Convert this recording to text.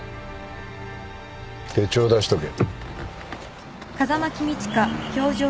手帳出しとけ。